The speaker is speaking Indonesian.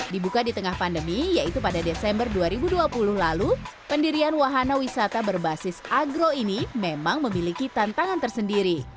dibuka di tengah pandemi yaitu pada desember dua ribu dua puluh lalu pendirian wahana wisata berbasis agro ini memang memiliki tantangan tersendiri